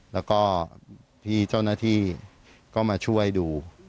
แล้วก็พี่เจ้าหน้าที่ก็มาช่วยดู